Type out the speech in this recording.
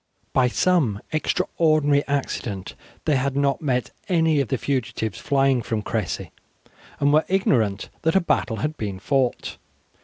By some extraordinary accident they had not met any of the fugitives flying from Cressy, and were ignorant that a battle had been fought.